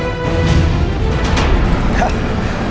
bukan buat mas